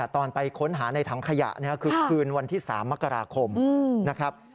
ตอนไปค้นหาในถังขยะคือคืนวันที่๓มกราคมนะครับ